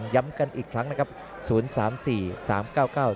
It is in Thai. ย้ำกันอีกครั้งนะครับ๐๓๔๓๙๙๒๖๒ครับ